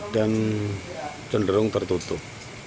dan cenderung tertutup